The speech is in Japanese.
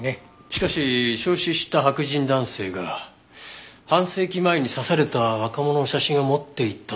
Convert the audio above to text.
しかし焼死した白人男性が半世紀前に刺された若者の写真を持っていたというのは。